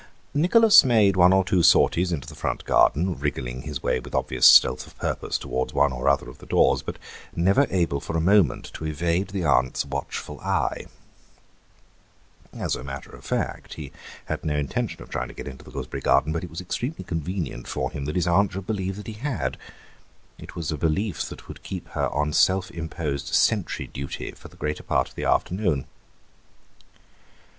Nicholas made one or two sorties into the front garden, wriggling his way with obvious stealth of purpose towards one or other of the doors, but never able for a moment to evade the aunt's watchful eye. As a matter of fact, he had no intention of trying to get into the gooseberry garden, but it was extremely convenient for him that his aunt should believe that he had; it was a belief that would keep her on self imposed sentry duty for the greater part of the afternoon.